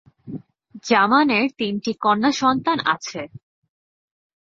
জামানের তিনটি কন্যা সন্তান আছে।